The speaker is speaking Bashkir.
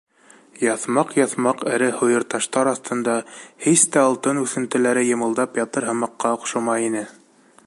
Яҫмаҡ-яҫмаҡ эре һуйырташтар аҫтында һис тә алтын үҫентеләре йымылдап ятыр һымаҡҡа оҡшамай ине.